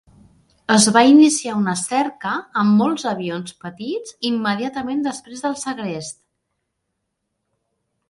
Es va iniciar una cerca amb molts avions petits immediatament després del segrest.